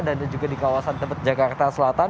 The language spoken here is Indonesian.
dan juga di kawasan tempat jakarta selatan